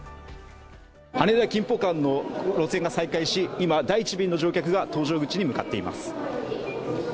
羽田−キンポ間の路線が再開し今、第１便の乗客が搭乗口に向かっています。